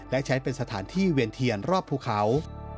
และใช้เป็นสถานที่เวียนเทียนรอบภูเขา